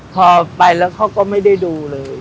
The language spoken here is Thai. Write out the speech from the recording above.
พอไปแล้วเขาก็ไม่ได้ดูเลย